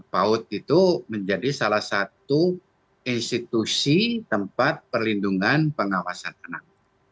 paut itu menjadi salah satu institusi tempat perlindungan pengawasan anak